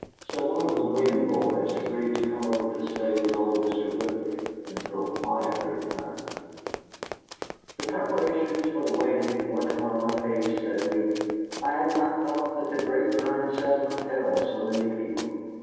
So one of the Winn boys agreed to come over to stay with old Mr. Ripley until quieter times. The preparations for the wedding went on apace that week. I had not thought that the Grape Vine settlement held so many people.